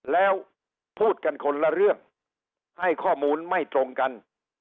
แล้วพูดกันคนละเรื่องให้ข้อมูลไม่ตรงกัน